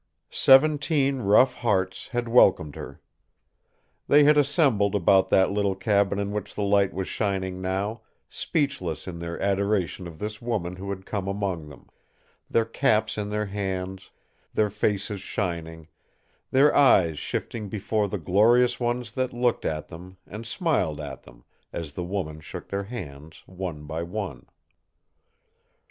Seventeen rough hearts had welcomed her. They had assembled about that little cabin in which the light was shining now, speechless in their adoration of this woman who had come among them, their caps in their hands, their faces shining, their eyes shifting before the glorious ones that looked at them and smiled at them as the woman shook their hands, one by one.